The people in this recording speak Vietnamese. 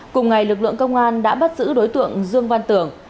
cùng ngày lực lượng công an đã bắt giữ đối tượng dương văn tưởng